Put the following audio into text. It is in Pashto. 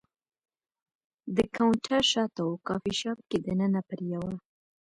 د کاونټر شاته و، کافي شاپ کې دننه پر یوه.